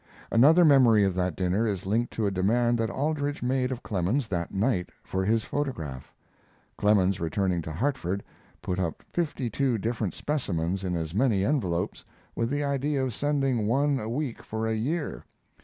Another memory of that dinner is linked to a demand that Aldrich made of Clemens that night, for his photograph. Clemens, returning to Hartford, put up fifty two different specimens in as many envelopes, with the idea of sending one a week for a year.